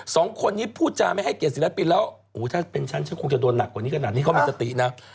สองคนนี้พูดจาไม่ให้เกียรติศิลปินแล้วโอ้โหถ้าเป็นฉันฉันคงจะโดนหนักกว่านี้ขนาดนี้เขามีสตินะ